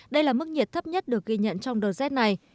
đây là mức nhiệt thấp nhất được ghi nhận trong đợt rét này